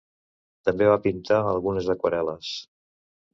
També va pintar algunes aquarel·les.